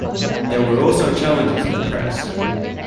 There were also challenges in the press.